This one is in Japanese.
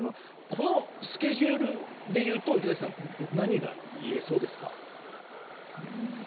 このスケジュールでいうと池嵜さん何が言えそうですか？